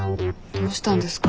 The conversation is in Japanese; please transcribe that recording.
どうしたんですか？